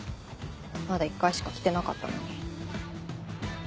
まだ１回しか着てなかったのに。